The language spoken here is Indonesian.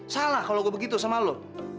salah kalau gue begitu sama lo